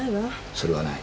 それはない。